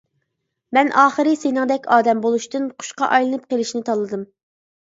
مەن ئاخىرى سېنىڭدەك ئادەم بولۇشتىن، قۇشقا ئايلىنىپ قىلىشنى تاللىدىم.